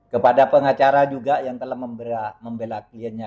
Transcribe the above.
kepada pengacara juga yang telah membela kliennya